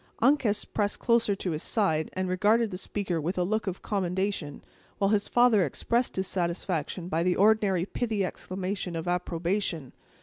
Uncas pressed closer to his side, and regarded the speaker with a look of commendation, while his father expressed his satisfaction by the ordinary pithy exclamation of approbation.